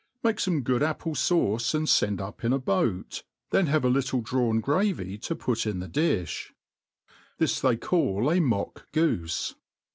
Make feme good apple fauqci and fend up in a boat |\ then have a little drawn gravy to )»ut in the difh* /Tbisrthej; call a mock goofe.